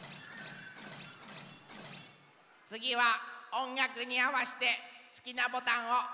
つぎはおんがくにあわしてすきなボタンをおしてね。